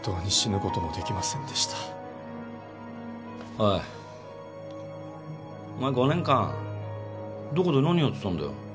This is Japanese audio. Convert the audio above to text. おいお前５年間どこで何やってたんだよ？